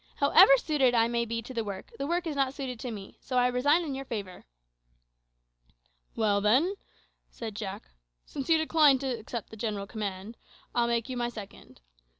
However suited I may be to the work, the work is not suited to me, so I resign in your favour." "Well, then," said Jack, "since you decline to accept the chief command, I'll make you my second.